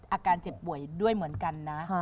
อาการเจ็บป่วยด้วยเหมือนกันนะ